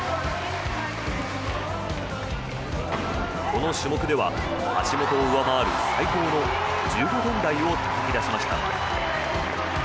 この種目では橋本を上回る最高の１５点台をたたき出しました。